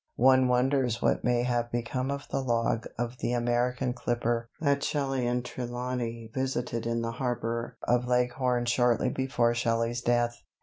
One wonders what may have become of the log of the American clipper that Shelley and Trelawny visited in the harbour of Leghorn shortly before Shelley's death.